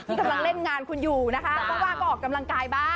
ที่กำลังเล่นงานคุณอยู่นะคะบ้างก็ออกกำลังกายบ้าง